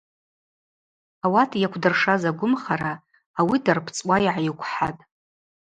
Ауат йакӏвдыршаз агвымхара ауи дарбцӏуа йгӏайыквхӏатӏ.